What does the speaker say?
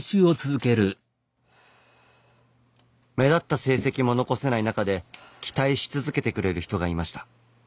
目立った成績も残せないなかで期待し続けてくれる人がいました。